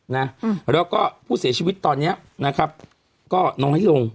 นะอืมแล้วก็ผู้เสียชีวิตตอนเนี้ยนะครับก็น้อยลง